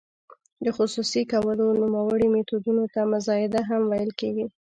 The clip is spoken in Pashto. د خصوصي کولو نوموړي میتود ته مزایده هم ویل کیږي.